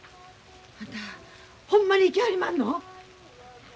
あんたほんまに行きはりまんの？